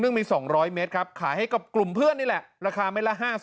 ซึ่งมี๒๐๐เมตรครับขายให้กับกลุ่มเพื่อนนี่แหละราคาเม็ดละ๕๐